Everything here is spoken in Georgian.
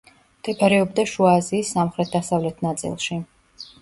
მდებარეობდა შუა აზიის სამხრეთ-დასავლეთ ნაწილში.